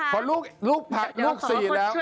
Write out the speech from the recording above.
เพราะลุกมันเลาะมีที่ปั๊บสี่แล้ว